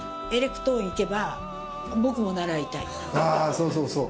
そうそうそう。